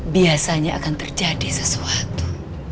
biasanya akan terjadi sesuatu